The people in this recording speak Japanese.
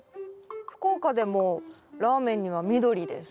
福岡でもラーメンには緑です。